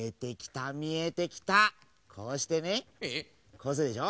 こうするでしょ。